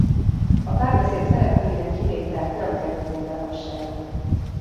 A párbeszéd szereplőinek kiléte nem került nyilvánosságra.